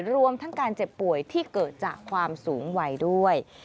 รวมทั้งการเจ็บป่วยที่เกิดจากความสูงวัยด้วย